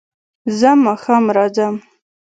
زه ماښام راځم